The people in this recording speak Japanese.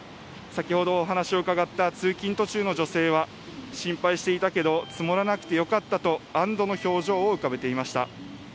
先ほどお話を伺った通勤途中の女性は、心配していたけれども積もらなくて良かったと安どの表情を浮かべていました。